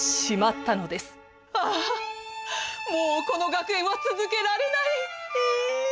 『あもうこの学園は続けられない』。